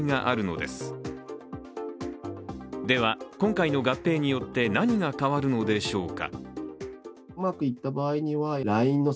では今回の合併によって何が変わるのでしょうか。